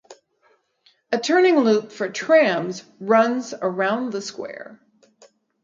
A turning loop for trams runs around the square.